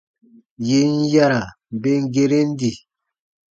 Yè n yara ben geren di.